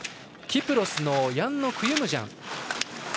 キプロスのヤンノ・クユムジャン。